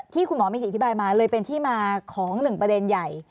คุณหมอมีจิตอธิบายมาเลยเป็นที่มาของหนึ่งประเด็นใหญ่